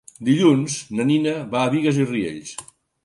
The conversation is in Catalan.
Dilluns na Nina va a Bigues i Riells.